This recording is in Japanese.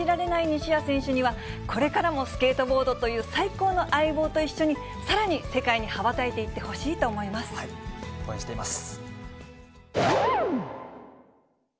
西矢選手には、これからもスケートボードという最高の相棒と一緒に、さらに世界に羽ばたいていってほ応援しています。